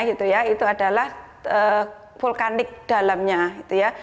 itu adalah vulkanik dalamnya